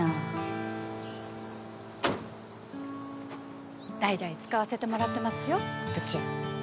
バタン代々使わせてもらってますよ部長。